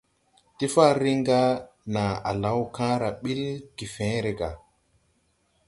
Tifar riŋ ga na a law kããra bil gifęęre ga.